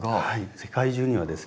世界中にはですね